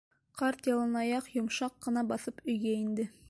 Ҡарт яланаяҡ йомшаҡ ҡына баҫып өйгә инде.